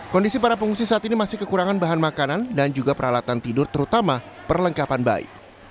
kondisi para pengungsi saat ini masih kekurangan bahan makanan dan juga peralatan tidur terutama perlengkapan bayi